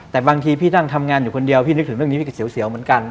แต่บางทีพี่นั่งทำงานอยู่คนเดียวพี่นึกถึงเรื่องนี้พี่ก็เสียวเหมือนกัน